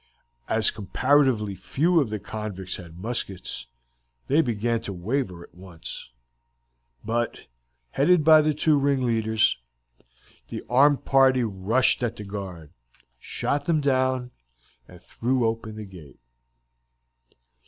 As comparatively few of the convicts had muskets, they began to waver at once. But, headed by the two ringleaders, the armed party rushed at the guard, shot them down, and threw open the gate.